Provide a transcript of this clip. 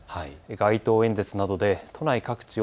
街頭演説などで都内各地を